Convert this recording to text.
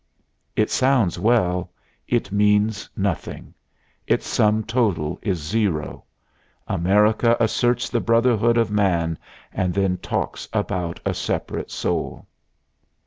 _ It sounds well; it means nothing; its sum total is zero. America asserts the brotherhood of man and then talks about a separate soul!